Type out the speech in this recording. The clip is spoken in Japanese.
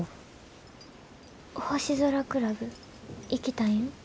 星空クラブ行きたいん？